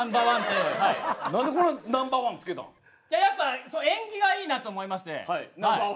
やっぱ縁起がいいなと思いまして。